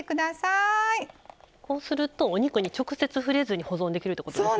こうするとお肉に直接触れずに保存できるってことですね。